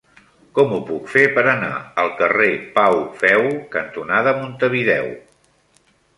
Com ho puc fer per anar al carrer Pau Feu cantonada Montevideo?